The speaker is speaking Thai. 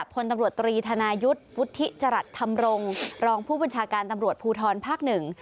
พลตำรวจตรีธนายุทธ์วุฒิจรัสธรรมรงค์รองผู้บัญชาการตำรวจภูทรภาคหนึ่ง